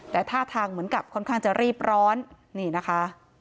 แต่ท่าทางเหมือนกับค่อนข้างจะรีบร้อนนี่นะคะ